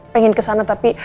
pengen kesana tapi